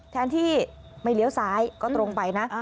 แทนที่ไม่เลี้ยวซ้ายก็ตรงไปนะ